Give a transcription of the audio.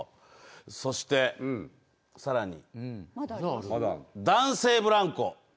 そして、さらに、男性ブランコ。